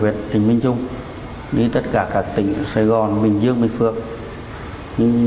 đối tượng trịnh minh trung đi tất cả các tỉnh sài gòn bình dương bình phượng